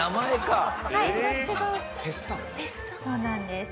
そうなんです。